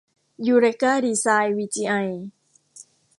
ยูเรกา ดีไซน์ วีจีไอ